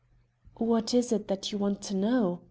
"What is it that you want to know?"